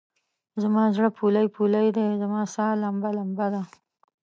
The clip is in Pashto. زما زړه پولۍ پولی دی، زما سا لمبه لمبه ده